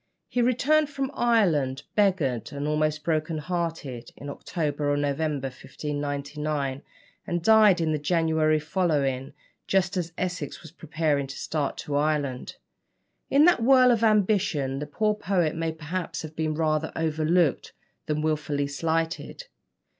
He returned from Ireland, beggared and almost broken hearted, in October or November 1599, and died in the January following, just as Essex was preparing to start to Ireland. In that whirl of ambition, the poor poet may perhaps have been rather overlooked than wilfully slighted.